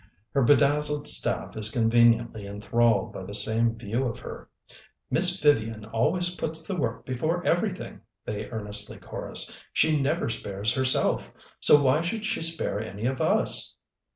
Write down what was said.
Her bedazzled staff is conveniently en thralled by the same view of her: "Miss Vivian always puts the work before everything," they earn estly chorus. "She never spares herself, so why should she spare any of us?"